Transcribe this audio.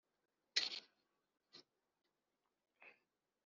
Ahabwa nyina bamutsindiriye.